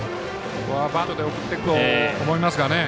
ここはバントで送ってくると思いますがね。